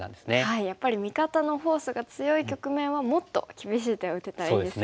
やっぱり味方のフォースが強い局面はもっと厳しい手を打てたらいいですよね。